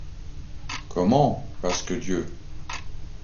Comment, pasque-Dieu!